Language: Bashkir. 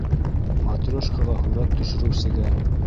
Матрешкаға һүрәт төшөрөүсегә...